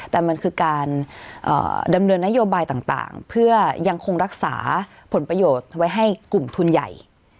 แต่มันคือการดำเนินนโยบายต่างเพื่อยังคงรักษาผลประโยชน์ไว้ให้กลุ่มทุนใหญ่